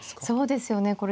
そうですよね。